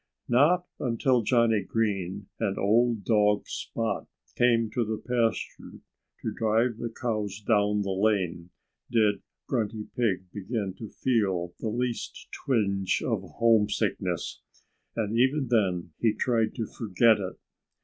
Not until Johnnie Green and old dog Spot came to the pasture to drive the cows down the lane did Grunty Pig begin to feel the least twinge of homesickness. And even then he tried to forget it.